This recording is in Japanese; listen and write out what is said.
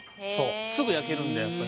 すぐ焼けるんで、やっぱり。